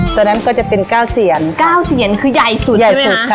ตัวนั้นก็จะเป็นเก้าเซียนเก้าเซียนคือใหญ่สุดใช่ไหมคะ